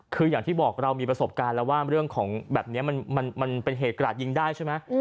คืออย่างที่บอกเรามีประสบการณ์แล้วว่าเรื่องของแบบนี้มันเป็นเหตุกระดาษยิงได้ใช่ไหม